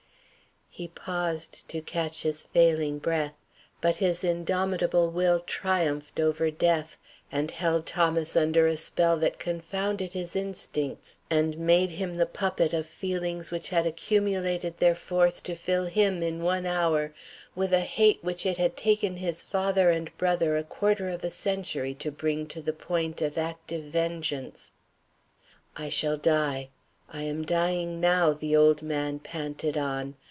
He paused to catch his failing breath, but his indomitable will triumphed over death and held Thomas under a spell that confounded his instincts and made him the puppet of feelings which had accumulated their force to fill him, in one hour, with a hate which it had taken his father and brother a quarter of a century to bring to the point of active vengeance. "I shall die; I am dying now," the old man panted on.